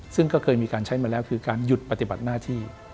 ซึ่งก็เคยมีการใช้มาแล้วคือการหยุดปฏิบัติหน้าที่